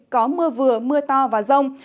có mưa vừa mưa to và rông